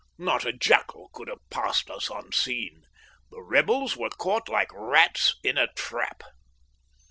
Not a jackal could have passed us unseen. The rebels were caught like rats in a trap.